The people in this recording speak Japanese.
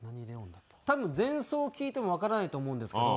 多分前奏を聴いてもわからないと思うんですけど。